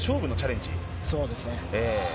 そうですね。